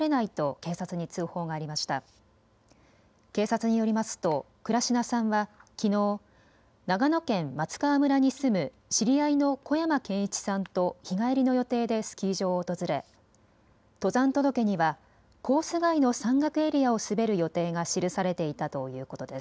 警察によりますと倉科さんはきのう長野県松川村に住む知り合いの小山賢一さんと日帰りの予定でスキー場を訪れ、登山届にはコース外の山岳エリアを滑る予定が記されていたということです。